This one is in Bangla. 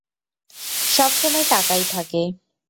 সবসময় টাকাই থাকে।